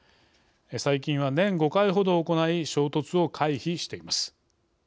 最近は、年５回ほど行い衝突を回避しています。